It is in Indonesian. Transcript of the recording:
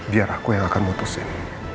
biar aku yang akan memutuskan